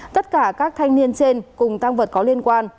tất cả các thanh niên trên cùng tăng vật có liên quan